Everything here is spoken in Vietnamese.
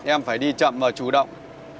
em phải đi chậm và chủ động